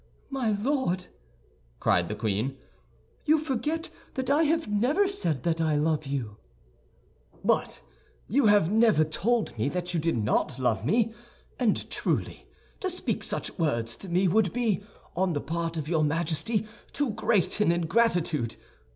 "My Lord," cried the queen, "you forget that I have never said that I love you." "But you have never told me that you did not love me; and truly, to speak such words to me would be, on the part of your Majesty, too great an ingratitude.